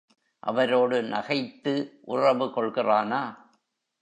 அவரோடு நகைத்து உறவு கொள்கிறானா?